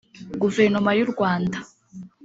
Guverinoma y’u Rwanda